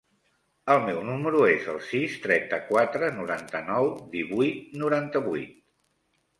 El meu número es el sis, trenta-quatre, noranta-nou, divuit, noranta-vuit.